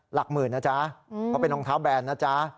หลักหมื่นนะจ๊ะเพราะเป็นรองเท้าแบนนะจ๊ะ